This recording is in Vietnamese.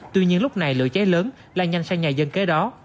tuy nhiên lúc này lửa cháy lớn lan nhanh sang nhà dân kế đó